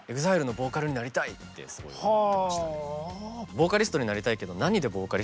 ＥＸＩＬＥのボーカルになりたいってすごい思ってました。